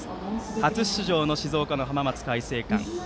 初出場、静岡の浜松開誠館。